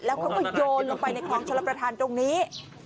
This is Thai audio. แล้วเขาก็โยนลงไปในคลองชลประธานตรงนี้